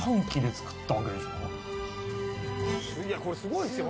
「いやこれすごいですよ